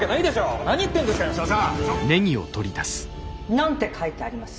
何て書いてあります？